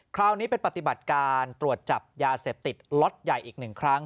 คราวนี้เป็นปฏิบัติการตรวจจับยาเสพติดล็อตใหญ่อีกหนึ่งครั้ง